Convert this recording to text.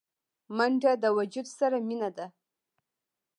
منډه د وجود سره مینه ده